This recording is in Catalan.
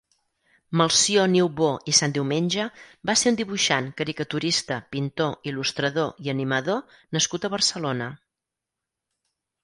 Melcior Niubó i Santdiumenge va ser un dibuixant, caricaturista, pintor, Il·lustrador i animador nascut a Barcelona.